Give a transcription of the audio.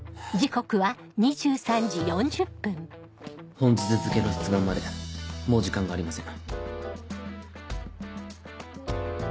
本日付の出願までもう時間がありません。